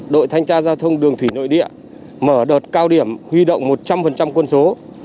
đội thanh tra giao thông đường thủy nội địa mở đợt cao điểm huy động một trăm linh quân số